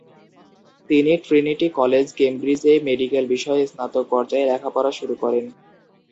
তিনি Trinity college, ক্যামব্রিজ-এ medical বিষয়ে স্নাতক পর্যায়ে লেখাপড়া শুরু করেন।